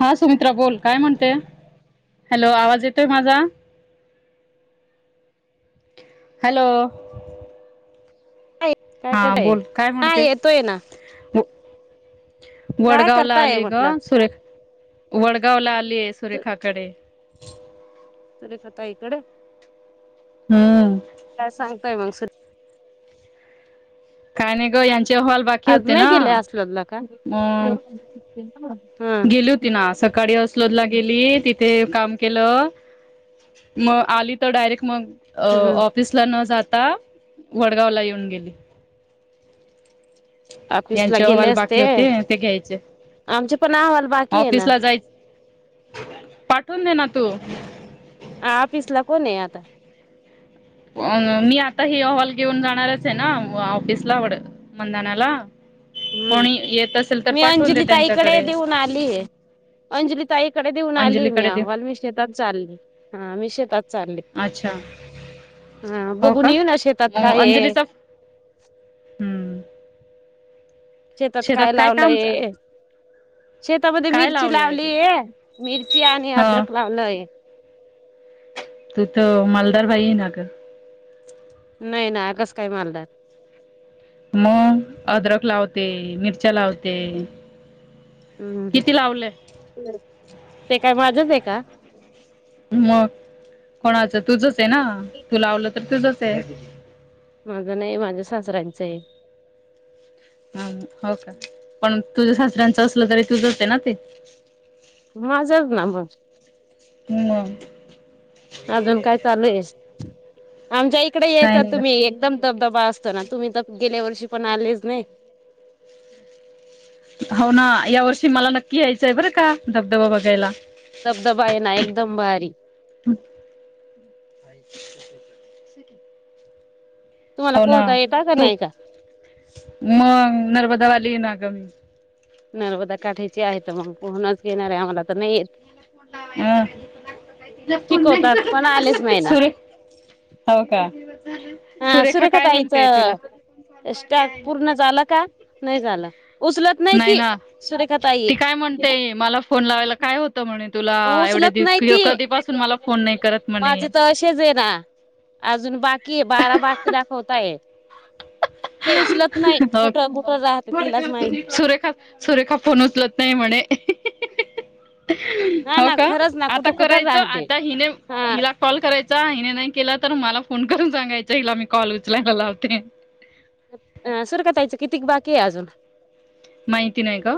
हां सुमित्रा बोल कायं म्हणते हॅलो आवाज येतोय माझां हॅलो कायं हा कायं बोल काय कां म्हणते येतोय नां काय वडगांवला करताय आली म्हटलं गं सुरेखा वडगांवला आली आहे सुरेखाकडे सुरेखा ताई कडे हम्म काय सांगताय मग काय नाय ग यांचे अहवाल बाकी आ होते नाही ना गले आसरद ला का मग हम. ति ना सकाळी असलोदला गेली तिथे काम केलं. मग आली तर डायरेक्ट मग ह ऑफिस न जाता वडगाव ला येऊन गेली. ऑफिस ला यांचे गेले अहवाल बाकी असते होते ते घ्यायचे. आमचे पण आहवाल. ऑफिस ला जायच पाठवून दे ना तू ह फिस ला कोण आहे आता. मी आता ह हॉल घेऊन जाणारच आहे ना ऑफिसला आवड मंदनाला हम्म मी दे अंजलिता इकडे त्यांच्याकडे देऊन आली. अंजलिताईकडे देऊन आली मी अंजलीकडे दे अहवाल मी शेतात चालली हा मी शेतात. चालले अच्छा हा हो बघून का येऊन शेतात मग काय? अंजलीचा हम्म शेतात काय लावलंय. शेतामध्ये काय मिरची लावलंय तू लावली आहे मिरची आणि हा अद्रक लावलय. तू तर मालदार बाई ना ग. नाही ना कास काय मालदार मग अदरक लावते मिरच्या लावते. हम् किती लावलंय ते काय माझच आहे का, मग कोणाचं तूझच आहे ना तू लावलं तर तुझच आहे. माझं नाही माझ्या सासऱ्यांचं आहे. हम हो का पण तुझ्या सासऱ्यांचं असलं तरी तू जात ना ते माझ्याच ना मग मम अजून काय चालू आहेस आमच्या इकडे यायच काय नाही तुम्ही ग एकदम धबधबा असतो ना तुम्ही तर गेल्या वर्षी पण आलेच नाही. हो ना या वर्षी मला नक्की यायचं आहे बरं का धबधबा बघायला. दबदबा आहे ना एकदम भारी आ तुम्हाला हो ना पोहता येता का तू नाही का? मग नर्मदा वाली ना गमी नर्मदा काठाची आहे तर मग पहणच घेणार आहे आम्हाला तर नाही येत. ह त पुन शिकवतात पण आलेच नाही ना नाहीर हो का? हा सुरेखाात काय आईच म्हणतेय तुला टास्क पूर्ण झालं का नाही झालं. उचलत नाही ती सुरेखातई ती काय म्हणते मला फोन लावायला काय हों. म्हणे तुला म एवढे उचलत नाही दिव ती कधीपासून मला फोन नाही करत म्हणे माझे तर असेच आहे ना. अजून बाकी आहे बारा बाकी दाखवताय. ती उचलत नाही हो कुठ कुठं राहते तिलाच माहिती सुरेखा सुरेखा फोन उचलत नाही म्हणे. हा हो ना का खरंच ना आता कुठं कुठं करायचं राहते आता हिने हा हिला. कॉल करायचा, हिने नाही केला तर, मला फोन करून सांगायचा, हिला मी कॉल उचलायला लावते. अ.. सुरखा ताईचं कितीक बाकी आहे अजून? माहिती नाही ग.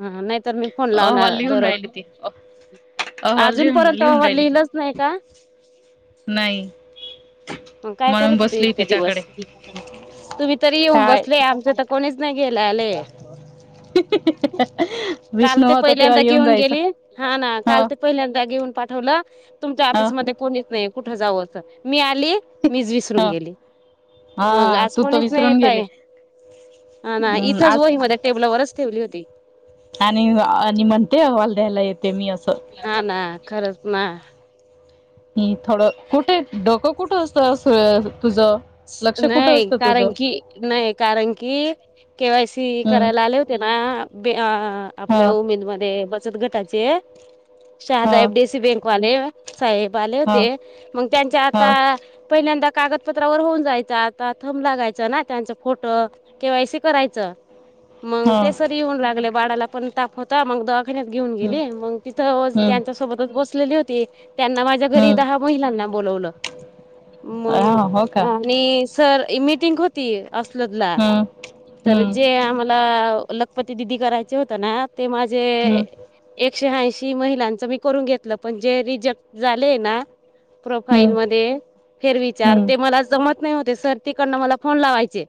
हा, नाही तर मी फोन अहवाल लावणार लिहून राहिली दररोज. ती अहवाल अजून लिहून पर्यंत लिहून राहिली ती लिहिलंच नाही का? नाही. मग काय म्हणून करत होते, बसली इतक तिच्याकडे दिवस तुम्ही तरी येऊन काय बसले आमच्या- कोणीच नाही घायला आले, काल विष्णू ते होता तेव्हा पहिल्यांदा येऊन घेऊन जायचं गेली- हा ना, काल ह तर- पहिल्यांदा घेऊन पाठवलं, तुमच्या ह ऑफिसमध्ये कोणीच नाही कुठं जाऊ असं, मी आली- मीच विसरून ह गेली, मग हा आज तू तर कोणीच नाही विसरून गेले येतय. हा ना, इथंच आज वही मध्ये टेबलवरच ठेवली होती. आणि आणि म्हणते अहवाल द्यायला येते मी असं- ह ना, खरंच ना. ह, थोडं कुठेत डोकं कुठं असतं तुझं- लक्ष कुठं नाही, असतं तुझं कारण की, नाही कारण की, - के वाय सी हम्म करायला आले होते ना, आप हा आपल्या उमेदमध्ये बचत गट - चे हा शहादाहेबडीसी बँकवाले [unintelligible] साहेब आले हा होते, मग त्यांच्या हा आता पहिल्यांदा कागदप- त्रा वर होऊन जायचं, आता थंब लागायचं ना, त्यांच फोटो के वाय सी करायचं- मग हा ते सर येऊन लागले, बाळाला पण ताप होता, मग द- वाखान्यात घेऊन हम्म गेले, मंग तिथ हम्म त्यांच्या सोबतच बसलेली होती, त्यांना माझ्या घरी हम्म दहा- महिलांना बोलवलं हा मंग - हो का आणि सर मीटिंग होती असलदला- हम्म तर हम्म जे आम्हाला लखपती दिदी करायचे होत ना, ते माझे- हम्म एकशे ऐंशी महिलांचं मी करून घेतलं, पण जे रिजेक्ट झालेय ना- प्रोफाईल हम्म मधे फेर विचार हम्म ते मला- होत नाही ओ ते सर, तिकडन मला फोन लावायचे,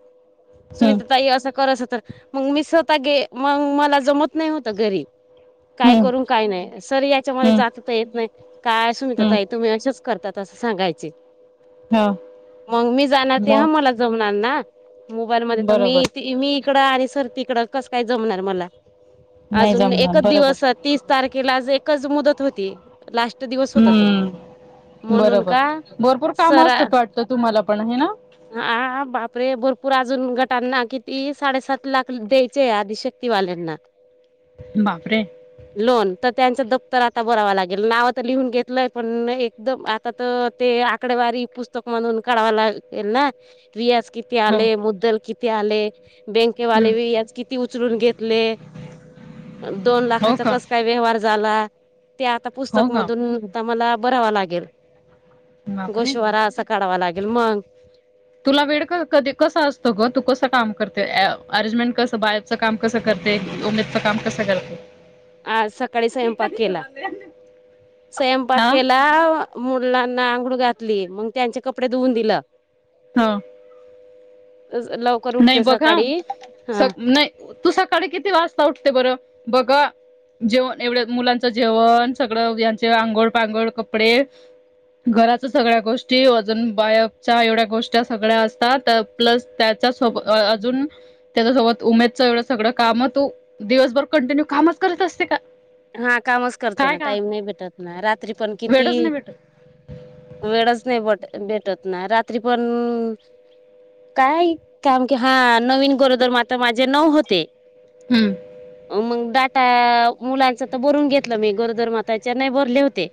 हम्म सुनीता ताई अस कर, असं कर- मंग मी स्वतः गे, मंग मला जमत नाही होत घरी, काय हम्म करू- काही नाही, सर याच्यामध्ये हम्म जात तर येत नाही, काय सुनीता हम्म तई तुम्ही असंच करतात असं सांगायचे. हा. मग मी जाणार ते ह मग मला जमणार ना, मोबाईल मध्ये तर मी बरोबर मी- इकड आले तर आणि तिकड कस काय जमणार मला, नाही अजून जमणार एकच बरोबर दिवस- तीस तारखेला आज एकच मुदत होती. लास्ट दिवस होता तो, हम्म म्हणून का सरा- तर तुम्हाला पण आहे ना? हा, हा, बापरे, भरपूर अजून गटांना किती साडेसात लाख द्यायचे आहे आधिशय- वार ना [unintelligible] बापरे. लोन, तर त्यांचं दप्तर आता भराव लागेल, नाव तर लिहून घेतलंय पण हे- एकदम आता तर ते आकडेवारी पुस्तक- म्हणून काढवा लागेल ना, व्याज किती हो आले, मुद्दल किती आले, - बँके वाली हम्म बी व्याज किती उचलून घेतले, दोन हो लाखाचं का कसं- काय व्यवहार झाला, ते आता हो पुस्तक का मधून आता मला भरावा लागेल. बापरे गोशवारा असा काढावा लागेल, मग- तुला वेड क कधी कस असत ग, तू कसं काम करते आ आरेंजमेंट कसं बाहे च काम कसं करते, उमेदच काम कसं करते. आ सकाळी स्वयंपाक केला, स्यंपाक हा केला मुलांना आंगुळ घातली, मग त्यांचे कपडे धुवून दिलं हा! तस लव नही बघ हं सक नही तू सकाळी किती वाजता उठते बरं बघा. जेवण एवढं मुलांचं जेवण, सगळं यांचे आंघोळ पांगोळ कपडे. घराच सगळ्या गोष्टी, अजुन बायपच्या एवढ्या गोष्टी, सगळ्या असतात त प्लस त्यात. त्या सोब अ अ अजून. त्याच्यासोबत उमेदचं एवढं सगळं काम, तू दिवसभर कंटिन्यू कामच करत असते का? हा कामच करते काय ना का टाईम नाही भेटत ना, रात्री पण वेळच किती. नाही भेटत वेळच नाही बट भेटत ना रात्री पण. काय कामकी हा नवीन गोरोदर माता, माझे नऊ होते. हूं! मंग डाटा मुलांच तर बरून घेतलं मी गोरदर माताच्या नाही बरले होते.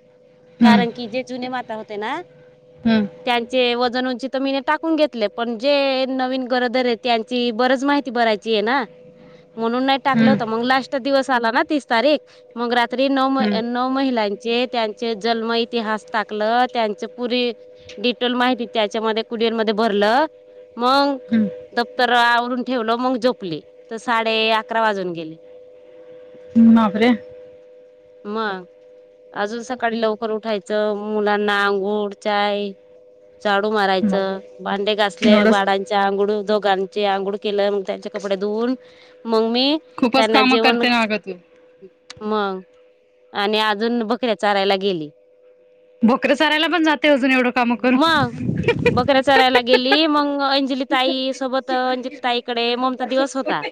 हम्म कारण की जे जुने माता होते ना. हूं! त्यांचे वजन उंची तर मीने टाकून घेतले, पण जे नवीन गरोदर ये त्यान ची बरच माहिती भरायची आहे ना म्हणून नाही टाकलं हम्म होत मग लास्ट दिवस आला ना तीस तारीख. मग रात्री नऊ म हम्म नऊ महिलांचे त्यांचे जल्म इतिहास टाकलं त्यांच पुरी डिटोल माहिती त्याच्यामध्ये कुडियल मध्ये भरलं मंग दप्तर आवरून ठेवलं मग जोपलीं त साडे अकरा वाजून गेले. बापरे! म अजून सकाळी लवकर उठायचं, मुलांना अंघूळ चाय झाडू मारायचं भांडे घासले एवढंच बाडांचे अंगुळ, दोघांचे अंंगुड, केलं मग त्यांचे कपडे धुवून मग मी खूपच कामं करते नाग तू. मंग आणि अजून बकऱ्या चारायला गेली. बोकऱ्या चारयला पण जाते अजून एवढं काम करून मग बकऱ्या चरायला गेली मग अंजली ताई सोबत अंजली. ताई इकडे ममता दिवस होता.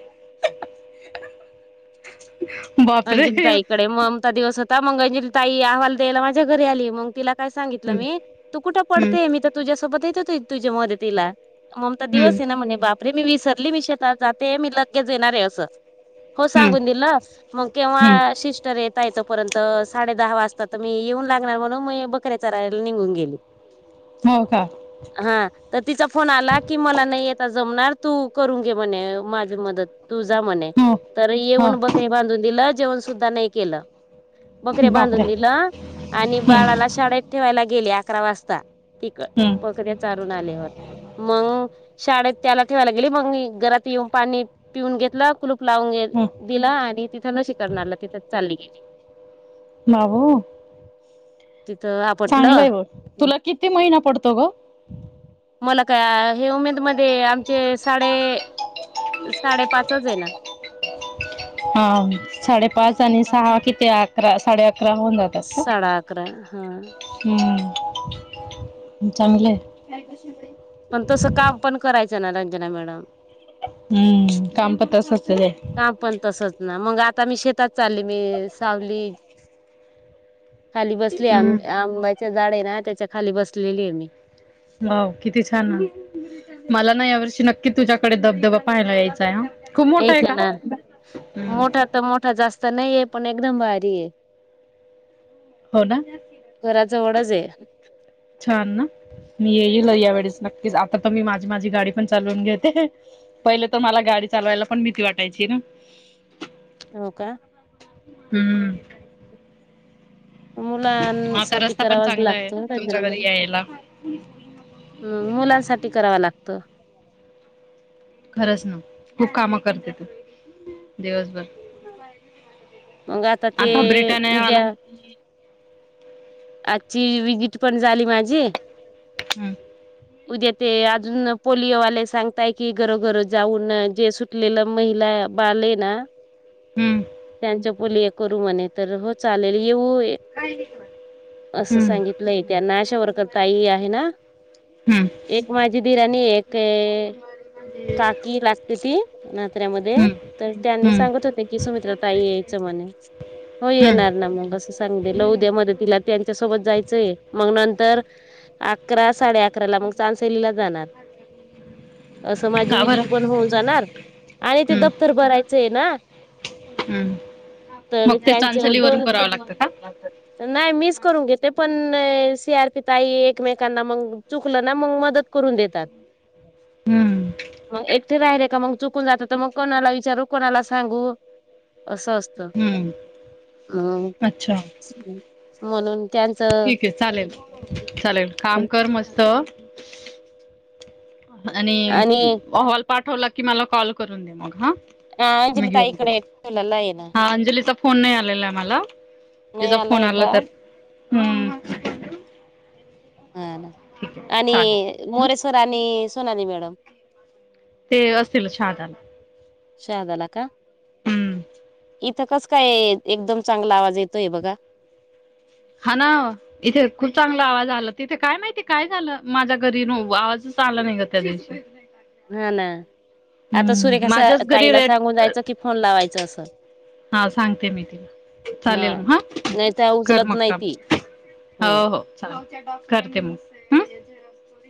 बापरे हम्म अंजलीताईकडे ममता दिवस होता, मग अंजली ताई आहवाल द्यायला माझ्या घरी आली मग तिला काय सांगितलं मी तू कुठं हम्म पडतेय मी त तुझ्यासोबत येत होते तुझ्या मदतीला. ममता दिवस हम्म आहे ना म्हणे बाप रे मी विसरली मी शेतात जाते, मी लगेच येणार आहे असं हो हम्म सांगून दिल. मग हम्म केव्हा सिस्टर येत ताय तोपर्यंत साडे दहा वाजता त मी येऊन लागणार, म्हणून मी बकऱ्या चरायला निघून गेली. ह [inaudible] हो का? हा त तिचा फोन आला की मला नाही येता जमणार, तू करून घे म्हणे माझी मदत. तू जा म्हणे हो तर हो येऊन बकरी बांधून दिलं, जेवण सुद्धा नाही केलं. बकऱ्या बापरे बांधून दिलं, आणि हम्म बाळाला शाळेत ठेवायला गेली अकरा वाजता तिक हम्म बकऱ्या चारून आल्यावर मंग. शाळेत त्याला ठेवायला गेली, मंग घरात येऊन पाणी पिऊन घेतलं कुलूप लावून घे हम्म दिला आणि तिथं लसी करणारला तिथं चालली गेली मग ओ? तिथं चांगलं आपटलं आहे मग, तुला किती महिना पडतो ग? मला काय हे उमेद मध्ये आमचे साडे साडे पाच च आहे ना. हा साडेपाच आणि ना सहा किती अकरा साडे -अकरा होऊन जात साडे -अकरा, हा हम्म, चांगलं हाय काय ग, शितू ताई पण तस काम पण करायचं ना रंजना मॅडम. हम्म, काम पण तसच हायय काम पण तसच ना, मग आता मी शेतात चालली मी सावली खाली बसली आ हम्म आंब्याचे झाड आहे ना त्याच्या खाली बसलेली आहे मी. वाव किती छान ना मला ना यावर्षी नक्की तुझ्याकडे धबधबा पाहायला यायचा आहे ह.. यायच ना मोठा तर मोठा जास्त नाहीय पण एकदम भारीय. हो, ना घरा जवळच हेय छान ना, मी येईल या वेळेस नक्कीच आता तर मी माझी, माझी गाडी पण चालवून घेते पहिले तर मला गाडी चालवायला पण भीती वाटायची ना [inaudible] हो का हम्म आता मुलांसाठी रस्ता पण करावाच चांगला आहे लागतं. तुमच्या रंजना घरी मॅडम! यायला मं, मुलांसाठी करावं लागतं. खरंच ना खूप कामं करतेत, दिवसभर मग ते आता ब्रिटानयावाला उद्या आजची विजिट पण झाली माझी. हम् उद्या ते अजून पोलिओवाले सांगताय की घरोघरो जाऊन जे सु लेलं, महिला बाळ आहे ना हम्म त्यांच्या पोलिओ करू म्हणे तर हो चालेल येऊ या काय रे. असं सांगितलंय त्याना आशा वर्कर ताई आहे ना. हम्म एक माझी दीरानी आणि एक काकी लागते ती नात्र्यामध्ये. हम्म तर त्यांनी हम्म सांगत होते की सुमित्रा ताई यायचं म्हणे. हो येणार हम्म ना मग असं सांग दे, उद्या मदतीला त्यांच्या सोबत जायचंय मग नंतर अकरा साडे- अकरा ला मग चांसलीला जाणार असं माझी का बरं विजिट पण होऊन जाणार आणि ते हम्म दफ्तर भरायचंय ना. हम्म तर मग ते त्यांचोन चांचलीवरून करावं लागतं का नाही म [inaudible] करून घेते पण सी, आर, पी, ताई एकमेकांना मग चुकलं ना मग मदत करून देतात.? [inaudible] हम्म मग एकटे राहिले का मग चुकून जात तर मग कोणाला विचारू कोणाला सांगू. असं असत हम्म ह. अच्छा! म्हणून त्यांचं. ठीक आहे चालेल चालेल काम कर मस्त. आणि अहवाल पाठवला की मला कॉल करून दे मग हा. म अंजली ताईकडे ठेवलेला आहे ना हा अंजलीचा. फोन नाही आलेला आहे मम्हाला नाही तिचा फोन आलाय आला का तर. हम्म हा आणि चालेल मोरेश्वर आणि सोनाली मॅडम. ते असतीलल छहादाला. शहद्याल का. हम्म इथं कस काय एकदम चांगला आवाज येतोय बघा. हा ना. इथे खूप चांगला आवाज आला तिथे काय माहिती काय झालं माझ्या घरीन आवाज चांगला नाही ग त्या दिवशी. हा ना आता सुरेखा हम्म अस माझ्याच घरी ताईला सांगून जायचं रेट की फोन लावायचं असं. हा सांगते मी तिला चालेल हा. मग हा नाही त्या कर उचलत मग नाही काम. ती हो हो ल करते मग. हं.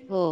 हो.